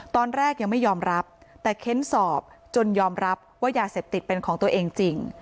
ตอนแรกยังไม่ยอมรับแต่เค้นสอบจนยอมรับว่ายาเสพติดเป็นของตัวเองจริง